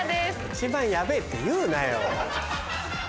一番ヤベェって言うなよ。